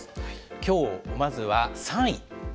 きょう、まずは３位。